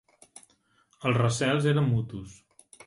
Els recels eren mutus.